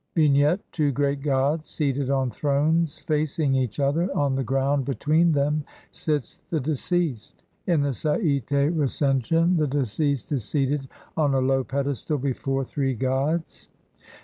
] Vignette : Two "great gods" seated on thrones facing each other : on the ground between them sits the deceased. In the SaTte Recension the deceased is seated on a low pedestal before three gods (see Lepsius, op. cit., Bl. 38.)